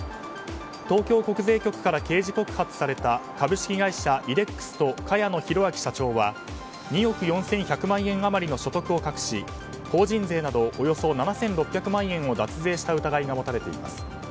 東京国税局から刑事告発された株式会社イデックスと茅野宏昭社長は２億４１００万円余りの所得を隠し法人税などおよそ７６００万円を脱税した疑いが持たれています。